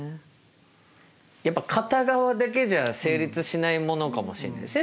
やっぱ片側だけじゃ成立しないものかもしれないですね